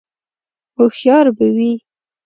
_هوښيار به وي؟